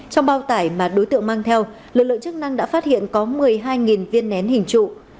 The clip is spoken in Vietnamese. trong bao tải mà đối tượng mang theo lực lượng chức năng đã phát hiện có một mươi hai viên nén hình trụ